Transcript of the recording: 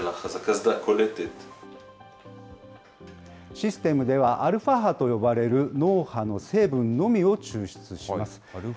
システムでは、アルファ波と呼ばれる脳波の成分のみを抽出します。